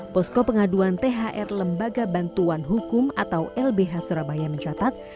posko pengaduan thr lembaga bantuan hukum atau lbh surabaya mencatat